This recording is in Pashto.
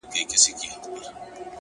• د ډوډۍ پر وخت به خپل قصر ته تلله,